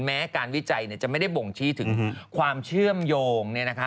แม้การวิจัยจะไม่ได้บ่งชี้ถึงความเชื่อมโยง